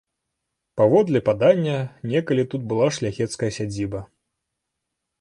Паводле падання, некалі тут была шляхецкая сядзіба.